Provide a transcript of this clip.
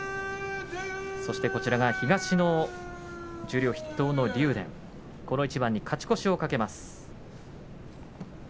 そして東の十両筆頭の竜電この一番に勝ち越しを懸けます。